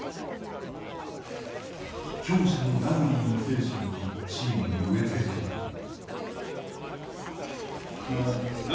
強者のラグビーの精神をチームに植えつけたいという。